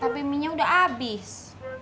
tapi mienya udah habis